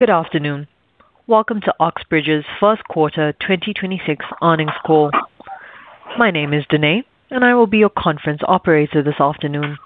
Good afternoon. Welcome to Oxbridge Re's first quarter 2026 earnings call. My name is Danae, and I will be your conference operator this afternoon.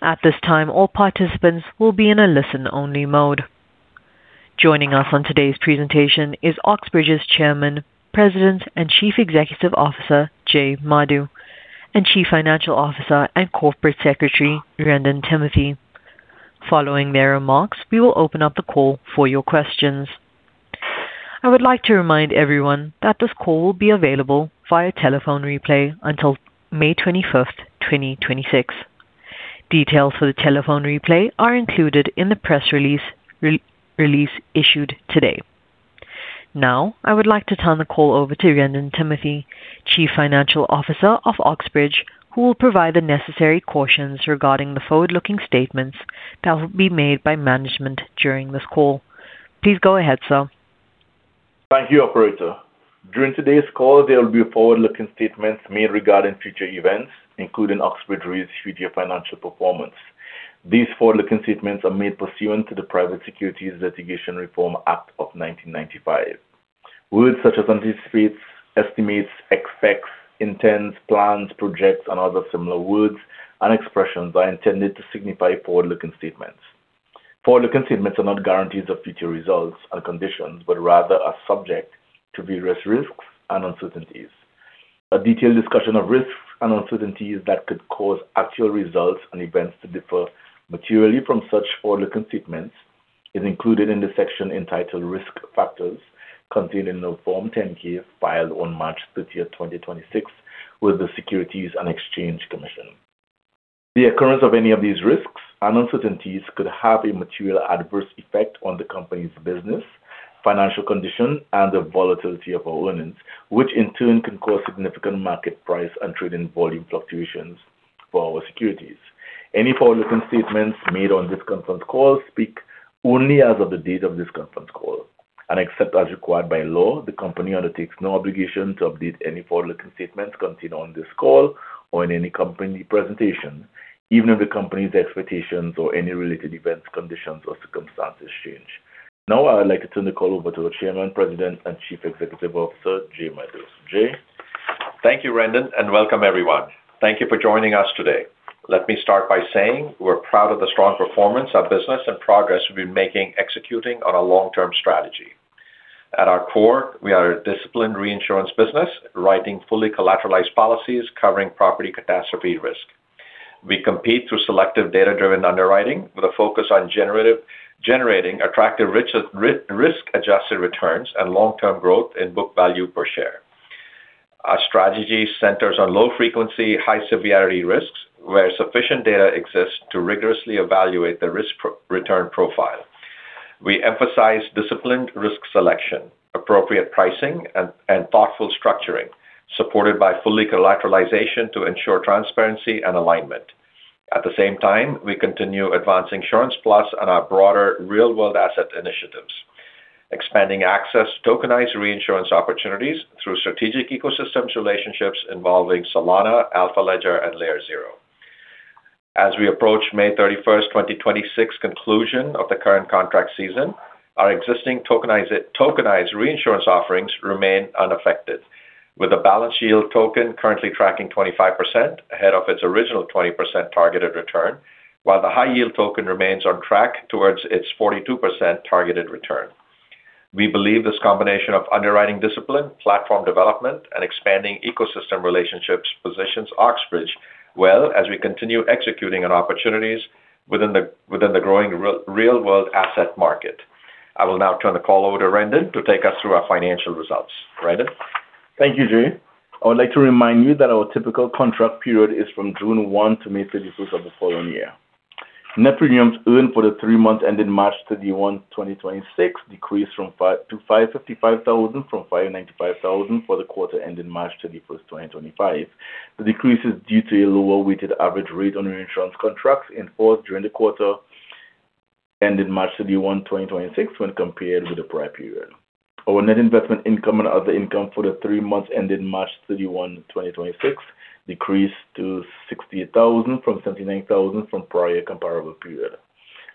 At this time, all participants will be in a listen-only mode. Joining us on today's presentation is Oxbridge Re's Chairman, President, and Chief Executive Officer, Jay Madhu, and Chief Financial Officer and Corporate Secretary, Wrendon Timothy. Following their remarks, we will open up the call for your questions. I would like to remind everyone that this call will be available via telephone replay until May 25, 2026. Details for the telephone replay are included in the press release re-release issued today. I would like to turn the call over to Wrendon Timothy, Chief Financial Officer of Oxbridge Re, who will provide the necessary cautions regarding the forward-looking statements that will be made by management during this call. Please go ahead, sir. Thank you, operator. During today's call, there will be forward-looking statements made regarding future events, including Oxbridge Re's future financial performance. These forward-looking statements are made pursuant to the Private Securities Litigation Reform Act of 1995. Words such as anticipates, estimates, expects, intends, plans, projects, and other similar words and expressions are intended to signify forward-looking statements. Forward-looking statements are not guarantees of future results and conditions, but rather are subject to various risks and uncertainties. A detailed discussion of risks and uncertainties that could cause actual results and events to differ materially from such forward-looking statements is included in the section entitled Risk Factors contained in the Form 10-K filed on March 30, 2026 with the Securities and Exchange Commission. The occurrence of any of these risks and uncertainties could have a material adverse effect on the company's business, financial condition, and the volatility of our earnings, which in turn can cause significant market price and trading volume fluctuations for our securities. Any forward-looking statements made on this conference call speak only as of the date of this conference call. Except as required by law, the company undertakes no obligation to update any forward-looking statements contained on this call or in any company presentation, even if the company's expectations or any related events, conditions, or circumstances change. Now, I would like to turn the call over to the Chairman, President, and Chief Executive Officer, Jay Madhu. Jay. Thank you, Wrendon, and welcome, everyone. Thank you for joining us today. Let me start by saying we're proud of the strong performance of business and progress we've been making executing on our long-term strategy. At our core, we are a disciplined reinsurance business, writing fully collateralized policies covering property catastrophe risk. We compete through selective data-driven underwriting with a focus on generating attractive risk-adjusted returns and long-term growth in book value per share. Our strategy centers on low frequency, high severity risks, where sufficient data exists to rigorously evaluate the return profile. We emphasize disciplined risk selection, appropriate pricing, and thoughtful structuring, supported by full equal collateralization to ensure transparency and alignment. At the same time, we continue advancing SurancePlus and our broader real-world asset initiatives, expanding access to tokenized reinsurance opportunities through strategic ecosystems relationships involving Solana, Alphaledger, and LayerZero. As we approach May 31, 2026 conclusion of the current contract season, our existing tokenized reinsurance offerings remain unaffected, with a Balanced-Yield token currently tracking 25% ahead of its original 20% targeted return, while the High-Yield token remains on track towards its 42% targeted return. We believe this combination of underwriting discipline, platform development, and expanding ecosystem relationships positions Oxbridge Re well as we continue executing on opportunities within the growing real-world asset market. I will now turn the call over to Wrendon to take us through our financial results. Wrendon. Thank you, Jay. I would like to remind you that our typical contract period is from June 1 to May 31st of the following year. Net premiums earned for the three months ending March 31, 2026 decreased to $555,000 from $595,000 for the quarter ending March 31st, 2025. The decrease is due to a lower weighted average rate on reinsurance contracts enforced during the quarter ending March 31, 2026 when compared with the prior period. Our net investment income and other income for the three months ending March 31, 2026 decreased to $68,000 from $79,000 from prior comparable period.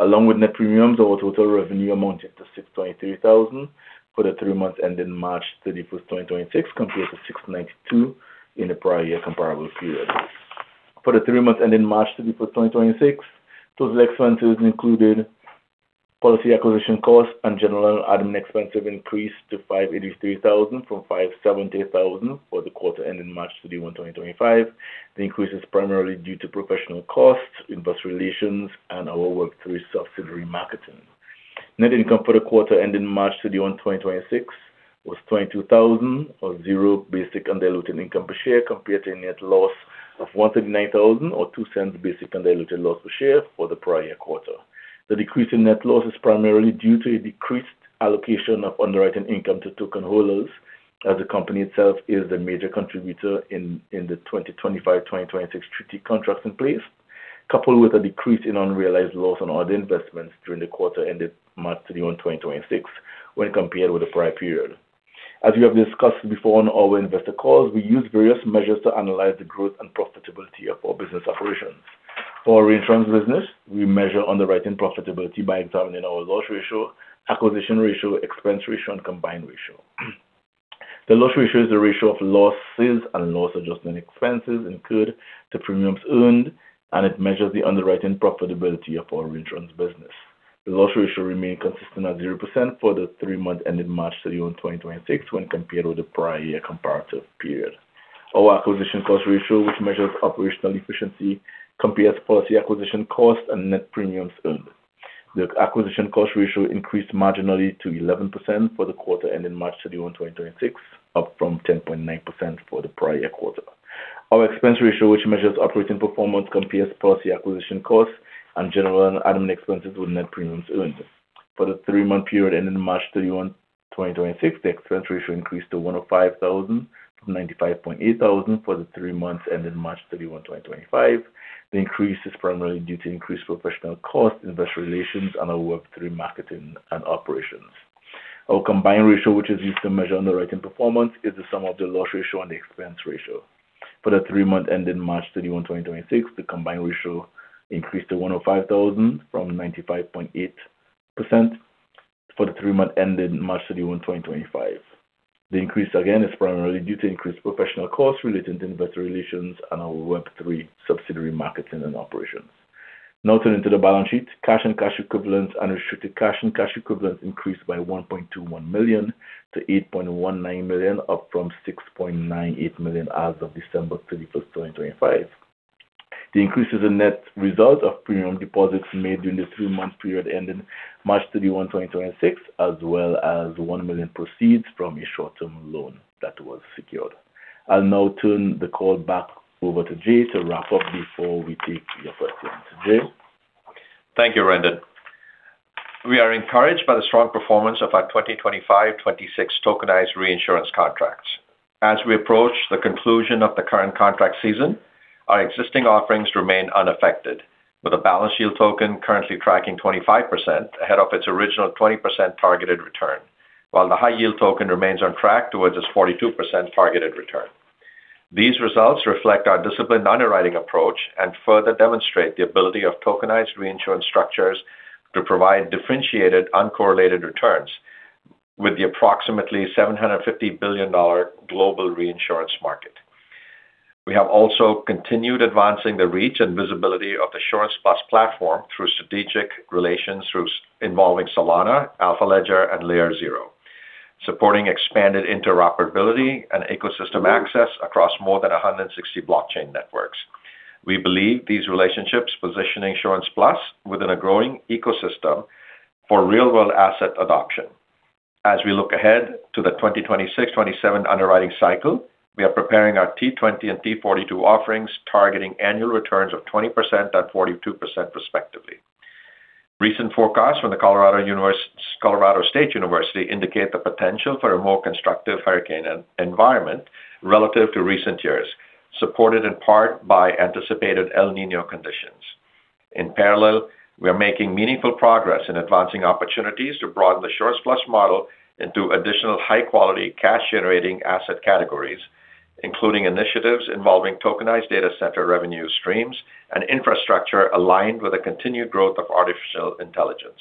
Along with net premiums, our total revenue amounted to $623,000 for the three months ending March 31st, 2026 compared to $692,000 in the prior year comparable period. For the three months ending March 31, 2026, those expenses included policy acquisition costs and general admin expenses increased to $583,000 from $570,000 for the quarter ending March 31, 2025. The increase is primarily due to professional costs, investor relations, and our Web3 subsidiary marketing. Net income for the quarter ending March 31, 2026, was $22,000 or $0 basic and diluted income per share, compared to a net loss of $139,000 or $0.02 basic and diluted loss per share for the prior quarter. The decrease in net loss is primarily due to a decreased allocation of underwriting income to token holders as the company itself is the major contributor in the 2025, 2026 treaty contracts in place, coupled with a decrease in unrealized loss on other investments during the quarter ending March 31, 2026 when compared with the prior period. As we have discussed before on our investor calls, we use various measures to analyze the growth and profitability of our business operations. For our reinsurance business, we measure underwriting profitability by examining our loss ratio, acquisition ratio, expense ratio, and combined ratio. The loss ratio is the ratio of losses and loss adjustment expenses incurred to premiums earned, and it measures the underwriting profitability of our reinsurance business. The loss ratio remained consistent at 0% for the three months ending March 31, 2026 when compared with the prior-year comparative period. Our acquisition cost ratio, which measures operational efficiency, compares policy acquisition costs and net premiums earned. The acquisition cost ratio increased marginally to 11% for the quarter ending March 31, 2026, up from 10.9% for the prior-year quarter. Our expense ratio, which measures operating performance, compares policy acquisition costs and general and admin expenses with net premiums earned. For the three-month period ending March 31, 2026, the expense ratio increased to $105,000 from $95,800 for the three months ending March 31, 2025. The increase is primarily due to increased professional costs, investor relations, and our Web3 marketing and operations. Our combined ratio, which is used to measure underwriting performance, is the sum of the loss ratio and the expense ratio. For the three months ending March 31, 2026, the combined ratio increased to 105.0% from 95.8% for the three months ending March 31, 2025. The increase again is primarily due to increased professional costs relating to investor relations and our Web3 subsidiary marketing and operations. Turning to the balance sheet. Cash and cash equivalents, unrestricted cash and cash equivalents increased by $1.21 million to $8.19 million, up from $6.98 million as of December 31, 2025. The increase is a net result of premium deposits made during the three-month period ending March 31, 2026, as well as $1 million proceeds from a short-term loan that was secured. I'll now turn the call back over to Jay to wrap up before we take your questions. Jay? Thank you, Wrendon. We are encouraged by the strong performance of our 2025, 2026 tokenized reinsurance contracts. As we approach the conclusion of the current contract season, our existing offerings remain unaffected, with the Balanced-Yield token currently tracking 25% ahead of its original 20% targeted return, while the High-Yield token remains on track towards its 42% targeted return. These results reflect our disciplined underwriting approach and further demonstrate the ability of tokenized reinsurance structures to provide differentiated, uncorrelated returns with the approximately $750 billion global reinsurance market. We have also continued advancing the reach and visibility of the SurancePlus platform through strategic relations involving Solana, Alphaledger, and LayerZero, supporting expanded interoperability and ecosystem access across more than 160 blockchain networks. We believe these relationships position SurancePlus within a growing ecosystem for real-world asset adoption. As we look ahead to the 2026, 2027 underwriting cycle, we are preparing our T20 and T42 offerings, targeting annual returns of 20% and 42% respectively. Recent forecasts from the Colorado State University indicate the potential for a more constructive hurricane environment relative to recent years, supported in part by anticipated El Niño conditions. In parallel, we are making meaningful progress in advancing opportunities to broaden the SurancePlus model into additional high-quality cash-generating asset categories, including initiatives involving tokenized data center revenue streams and infrastructure aligned with the continued growth of artificial intelligence.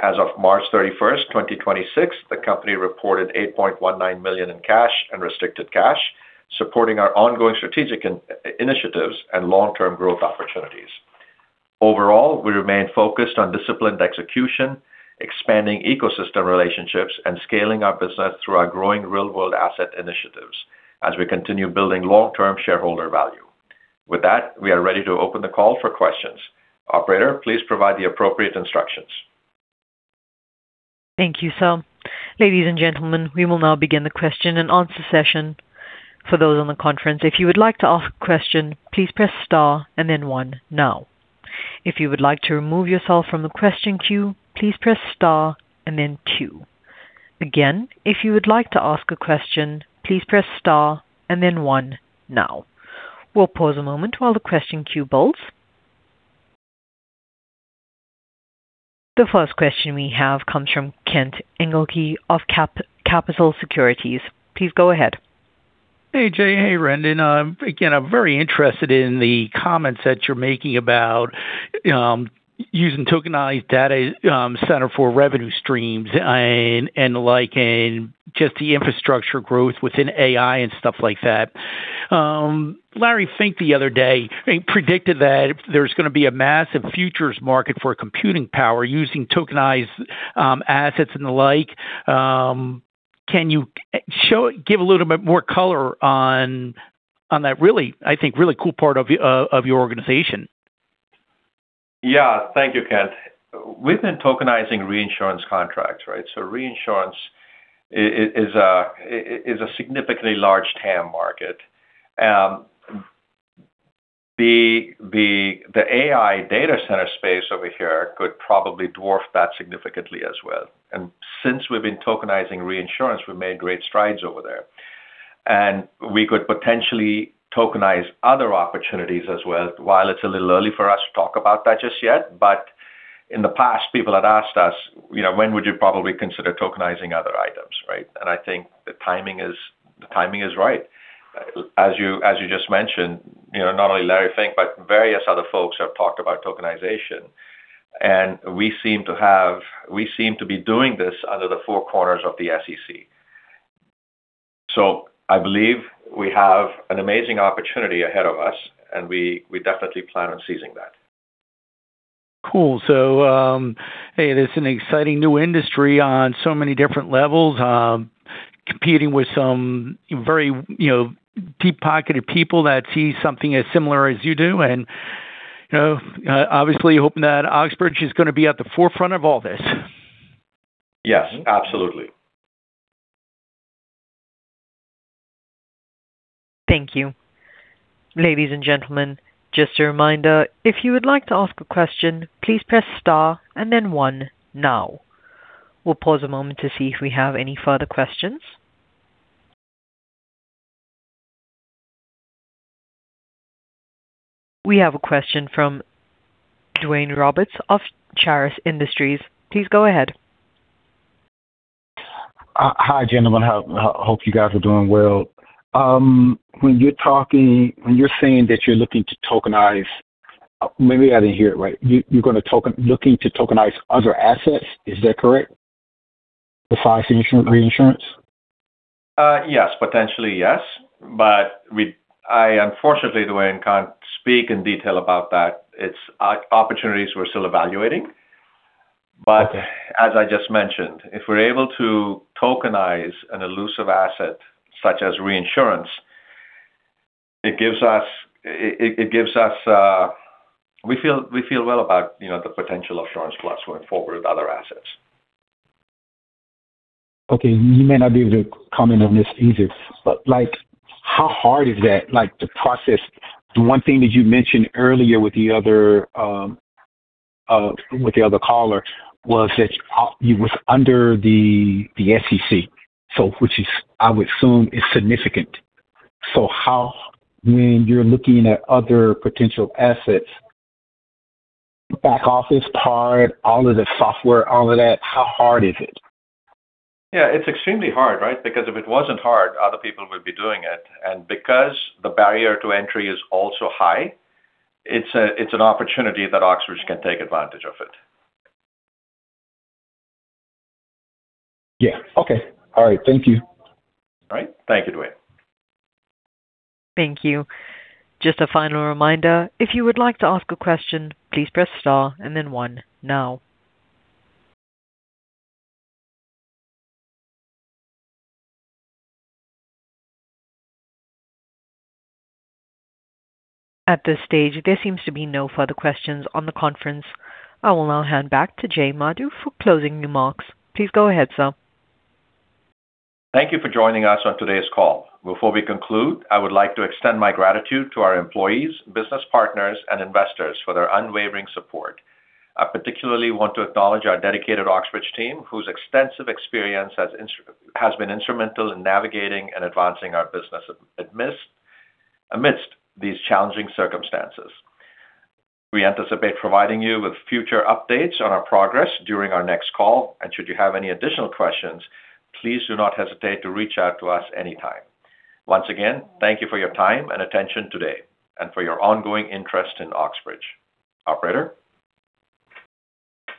As of March 31st, 2026, the company reported $8.19 million in cash and restricted cash, supporting our ongoing strategic initiatives and long-term growth opportunities. Overall, we remain focused on disciplined execution, expanding ecosystem relationships, and scaling our business through our growing real-world asset initiatives as we continue building long-term shareholder value. With that, we are ready to open the call for questions. Operator, please provide the appropriate instructions. Thank you, sir. Ladies and gentlemen, we will now begin the question and answer session. For those on the conference, if you would like to ask a question, please press star and then one now. If you would like to remove yourself from the question queue, please press star and then two. Again, if you would like to ask a question, please press star and then one now. We'll pause a moment while the question queue builds. The first question we have comes from Kent Engelke of Capitol Securities. Please go ahead. Hey, Jay. Hey, Wrendon. Again, I'm very interested in the comments that you're making about using tokenized data center for revenue streams and like, and just the infrastructure growth within AI and stuff like that. Larry Fink the other day, I think, predicted that there's gonna be a massive futures market for computing power using tokenized assets and the like. can you give a little bit more color on that really, I think, really cool part of your organization? Yeah. Thank you, Kent. We've been tokenizing reinsurance contracts, right? Reinsurance is a significantly large TAM market. The AI data center space over here could probably dwarf that significantly as well. Since we've been tokenizing reinsurance, we've made great strides over there. And we could potentially tokenize other opportunities as well. While it's a little early for us to talk about that just yet, but in the past, people had asked us, you know, when would you probably consider tokenizing other items, right? I think the timing is right. As you just mentioned, you know, not only Larry Fink, but various other folks have talked about tokenization. We seem to be doing this under the four corners of the SEC. I believe we have an amazing opportunity ahead of us, and we definitely plan on seizing that. Cool. Hey, it is an exciting new industry on so many different levels, competing with some very, you know, deep-pocketed people that see something as similar as you do and, you know, obviously hoping that Oxbridge is gonna be at the forefront of all this. Yes, absolutely. Thank you. Ladies and gentlemen, just a reminder, if you would like to ask a question, please press star and then one now. We'll pause a moment to see if we have any further questions. We have a question from Duane Roberts of Charis Industries. Please go ahead. Hi, gentlemen. Hope you guys are doing well. When you're saying that you're looking to tokenize, maybe I didn't hear it right. You're looking to tokenize other assets, is that correct? Besides insurance, reinsurance? Yes. Potentially, yes. I, unfortunately, Duane, can't speak in detail about that. It's opportunities we're still evaluating. As I just mentioned, if we're able to tokenize an elusive asset such as reinsurance, it gives us, it gives us. We feel well about, you know, the potential of SurancePlus going forward with other assets. Okay. You may not be able to comment on this either. How hard is that, like, the process? The one thing that you mentioned earlier with the other, with the other caller was that you were under the SEC, which is, I would assume, is significant. How, when you're looking at other potential assets, back office part, all of the software, all of that, how hard is it? Yeah, it's extremely hard, right? If it wasn't hard, other people would be doing it. Because the barrier to entry is also high, it's an opportunity that Oxbridge can take advantage of it. Yeah. Okay. All right. Thank you. All right. Thank you, Duane. Thank you. Just a final reminder, if you would like to ask a question, please press star and then one now. At this stage, there seems to be no further questions on the conference. I will now hand back to Jay Madhu for closing remarks. Please go ahead, sir. Thank you for joining us on today's call. Before we conclude, I would like to extend my gratitude to our employees, business partners, and investors for their unwavering support. I particularly want to acknowledge our dedicated Oxbridge team, whose extensive experience has been instrumental in navigating and advancing our business amidst these challenging circumstances. We anticipate providing you with future updates on our progress during our next call, and should you have any additional questions, please do not hesitate to reach out to us any time. Once again, thank you for your time and attention today, and for your ongoing interest in Oxbridge. Operator.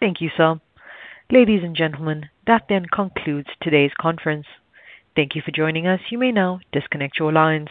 Thank you, sir. Ladies and gentlemen, that concludes today's conference. Thank you for joining us. You may now disconnect your lines.